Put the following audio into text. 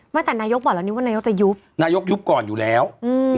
แต่นายกบอกแล้วนี่ว่านายกจะยุบนายกยุบก่อนอยู่แล้วอืม